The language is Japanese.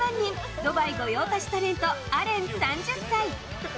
ドバイ御用達タレントアレン、３０歳。